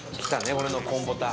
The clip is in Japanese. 俺のコンポタ。